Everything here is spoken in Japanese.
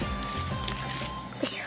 よいしょ。